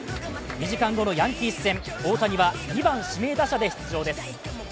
２時間後のヤンキース戦大谷は２番・指名打者で出場です。